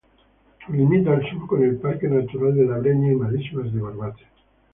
Limita al sur con el Parque Natural de la Breña y Marismas de Barbate.